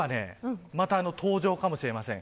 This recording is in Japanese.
夜は、また登場かもしれません。